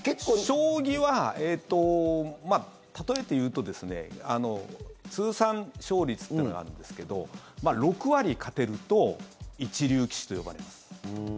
将棋は例えていうと通算勝率というのがあるんですが６割勝てると一流棋士と呼ばれます。